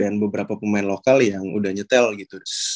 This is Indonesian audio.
staff dan beberapa pemain local yang udah nyetel gitu